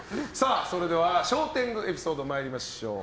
それでは小天狗エピソード参りましょう。